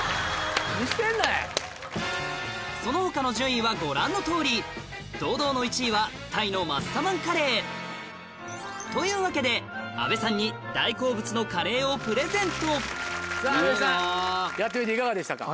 その他の順位はご覧のとおり堂々の１位はタイのマッサマンカレーというわけで阿部さんに大好物のカレーをプレゼントさぁ阿部さんやってみていかがでしたか？